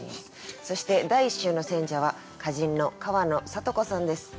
そして第１週の選者は歌人の川野里子さんです。